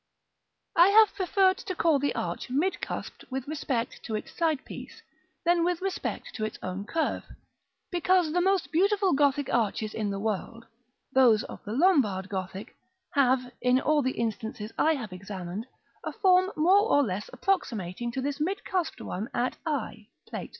I have preferred to call the arch mid cusped with respect to its side piece than with respect to its own curve, because the most beautiful Gothic arches in the world, those of the Lombard Gothic, have, in all the instances I have examined, a form more or less approximating to this mid cusped one at i (Plate III.)